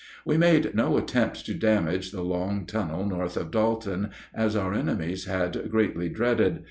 We made no attempt to damage the long tunnel north of Dalton, as our enemies had greatly dreaded.